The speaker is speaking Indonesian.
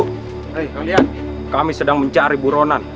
kalian kami sedang mencari buronan